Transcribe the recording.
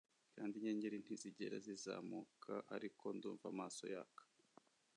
Kandi inyenyeri ntizigera zizamuka ariko ndumva amaso yaka